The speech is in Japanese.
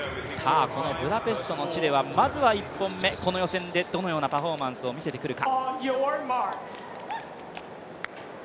このブダペストの地ではまずは１本目、この予選でどのようなパフォーマンスを見せてくるか。